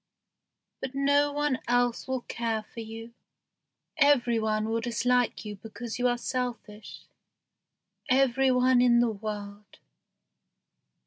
But no one else will care for you. Every one will dislike you because you are selfish every one in the world."